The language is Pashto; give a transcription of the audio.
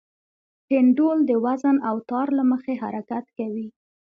پینډول د وزن او تار له مخې حرکت کوي.